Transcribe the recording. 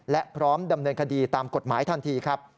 และพร้อมดำเนินคดีตามกฎหมายทันทีครับ